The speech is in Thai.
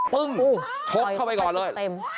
ปึ้งชกเข้าไปก่อนเลย